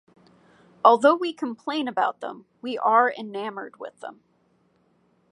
Although we complain about them, we are enamored with them.